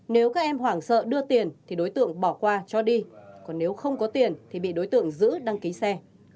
nếu các em hoảng sợ đưa tiền thì đối tượng bỏ qua cho đi còn nếu không có tiền thì bị đối tượng giữ đăng ký xe